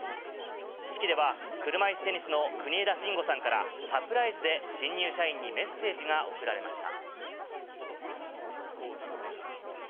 式では、車いすテニスの国枝慎吾さんから、サプライズで新入社員にメッセージが送られました。